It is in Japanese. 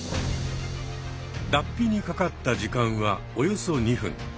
だっぴにかかった時間はおよそ２分。